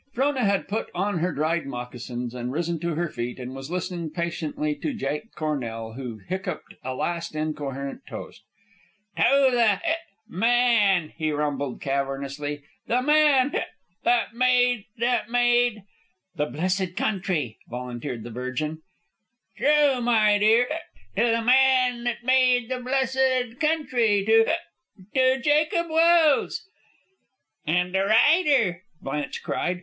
Frona had put on her dried moccasins and risen to her feet, and was listening patiently to Jake Cornell, who hiccoughed a last incoherent toast. "To the hic man," he rumbled, cavernously, "the man hic that made that made " "The blessed country," volunteered the Virgin. "True, my dear hic. To the man that made the blessed country. To hic to Jacob Welse!" "And a rider!" Blanche cried.